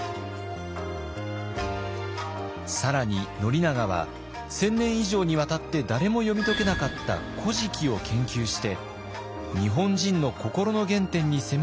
更に宣長は１，０００年以上にわたって誰も読み解けなかった「古事記」を研究して日本人の心の原点に迫ろうとしました。